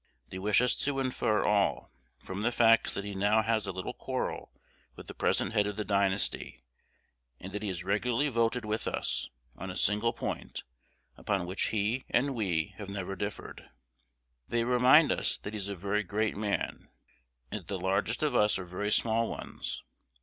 They wish us to infer all, from the facts that he now has a little quarrel with the present head of the dynasty; and that he has regularly voted with us, on a single point, upon which he and we have never differed. They remind us that he is a very great man, and that the largest of us are very small ones.